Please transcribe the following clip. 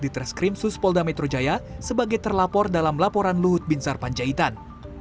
di treskrim suspolda metro jaya sebagai terlapor dalam laporan luhut bin sarpanjaitan